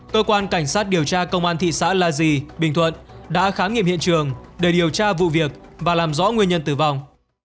cơ quan cảnh sát điều tra công an thị xã la di bình thuận đã khám nghiệm hiện trường để điều tra vụ việc và làm rõ nguyên nhân tử vong